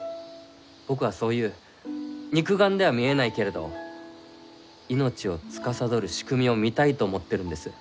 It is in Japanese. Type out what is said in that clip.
僕はそういう肉眼では見えないけれど命をつかさどる仕組みを見たいと思ってるんです。